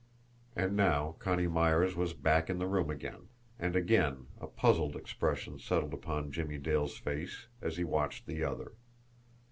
And now Connie Myers was back in the room again and again a puzzled expression settled upon Jimmie Dale's face as he watched the other.